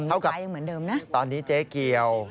เท่ากับยังขายอย่างเหมือนเดิมนะตอนนี้เจ๊เคียว